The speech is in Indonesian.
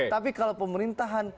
tapi kalau pemerintahan